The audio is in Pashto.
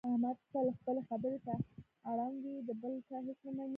احمد تل خپلې خبرې ته اړم وي، د بل چا هېڅ نه مني.